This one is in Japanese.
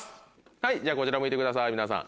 はいじゃあこちら向いてください皆さん。